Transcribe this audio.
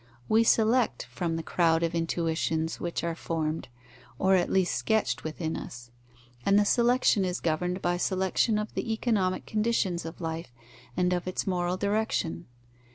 We select from the crowd of intuitions which are formed or at least sketched within us; and the selection is governed by selection of the economic conditions of life and of its moral direction.